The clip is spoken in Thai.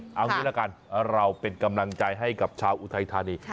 เอางี้ละกันเราเป็นกำลังใจให้กับชาวอุทัยธานี